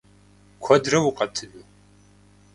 Куэдрэ укъэтыну?